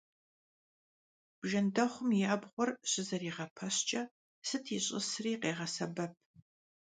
Bjjendexhum yi abğuer şızerigepeşıjjç'e sıt yiş'ısri khêğesebep.